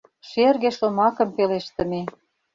Шерге шомакым пелештыме